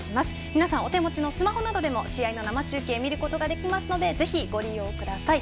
皆さんお手持ちのスマホなどでも試合の生中継を見ることができますのでぜひご利用ください。